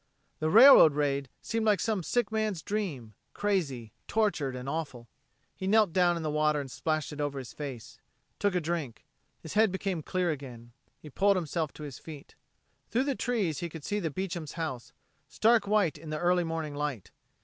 The railroad raid seemed like some sick man's dream, crazy, tortured, and awful. He knelt down in the water and splashed it over his face, took a drink. His head became clear again. He pulled himself to his feet. Through the trees he could see the Beecham's house, stark white in the early morning light.